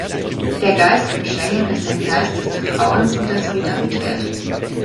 Der Geist von Schengen ist ein Geist des Vertrauens und der Solidarität.